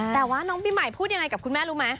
แต่ว่าน้องปีใหม่พูดยังไงกับคุณแม่รู้ไหม